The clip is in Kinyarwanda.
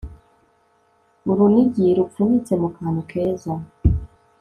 urunigi rupfunyitse mu kantu keza